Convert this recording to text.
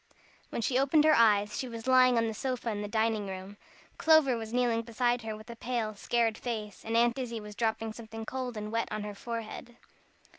When she opened her eyes she was lying on the sofa in the dining room. Clover was kneeling beside her with a pale, scared face, and Aunt Izzie was dropping something cold and wet on her forehead.